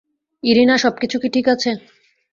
Irina সবকিছু ঠিক আছে?